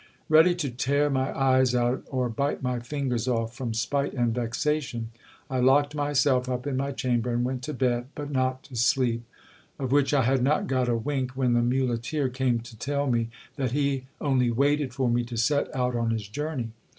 Ready to tear my eyes out or bite my fingers off from spite and vexation, I locked myself up in my chamber and went to bed, but not to sleep ; of which I had not got a wink when the muleteer came to tell me, that he only waited for me to set out on his journey.